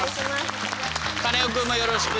カネオくんもよろしく。